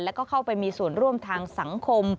แล้วก็เข้าไปมีส่วนร่วมทางสังคม